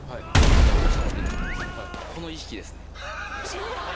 で下ろしてもらっていいですか？